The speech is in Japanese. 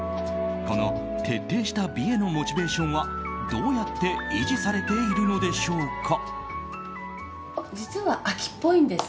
この徹底した美へのモチベーションはどうやって維持されているのでしょうか。